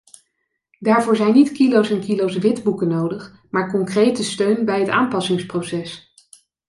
Daarvoor zijn niet kilo's en kilo's witboeken nodig maar concrete steun bij het aanpassingsproces.